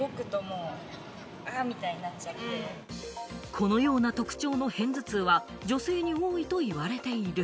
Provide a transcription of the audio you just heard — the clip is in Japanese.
このような特徴の片頭痛は女性に多いと言われている。